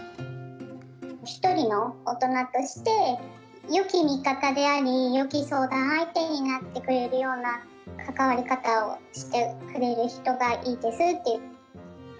１人の大人としてよき味方であり、よき相談相手になってくれるような関わり方をしてくれる人がいいですって。